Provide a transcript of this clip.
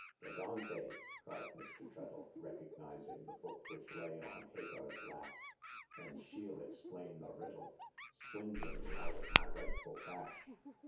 The Dante !" cried Mr. Treadle, recognizing the book which lay on Hagar's lap —an' she'll explain the riddle — swindling me out of my rightful cash